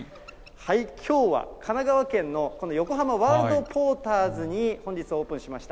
きょうは神奈川県のこの横浜ワールドポーターズに本日オープンしました、